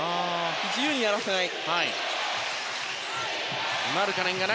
自由にやらせない。